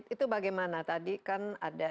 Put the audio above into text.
itu bagaimana tadi kan ada